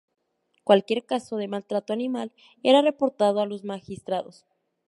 Cualquier caso de maltrato animal era reportado a los magistrados.